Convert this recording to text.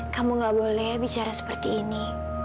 kamu gak boleh bicara seperti ini